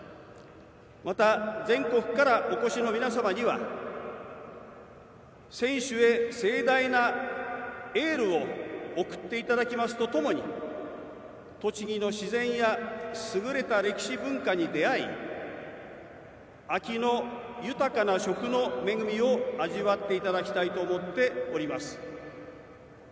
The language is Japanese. また、全国からお越しの皆様には選手へ盛大なエールを送っていただきますとともに栃木の自然や優れた歴史・文化に出会い秋の豊かな食の恵みを味わっていただきたいと思っております。